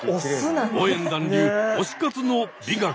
応援団流推し活の美学です。